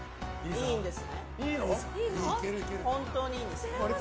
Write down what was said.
いいです。